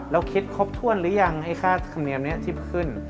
คิดครบถ้วนหรือยังไอ้ค่าธรรมเนียมนี้ที่ขึ้น